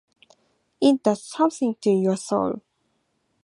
It does something to your soul.